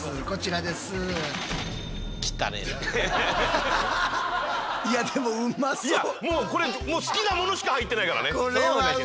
こちらです。